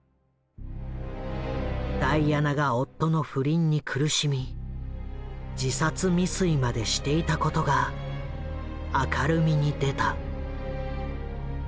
ダイアナが夫の不倫に苦しみ自殺未遂までしていたことが明るみに出た。